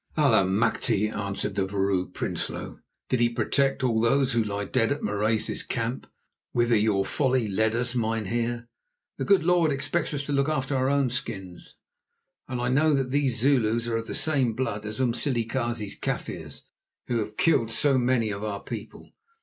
"Allemachte!" answered the Vrouw Prinsloo. "Did He protect all those who lie dead at Marais's camp, whither your folly led us, mynheer? The good Lord expects us to look after our own skins, and I know that these Zulus are of the same blood as Umsilikazi's Kaffirs, who have killed so many of our people.